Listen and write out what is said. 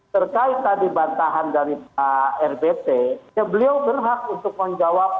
terkait tadi bantahan dari pak rbt ya beliau berhak untuk menjawab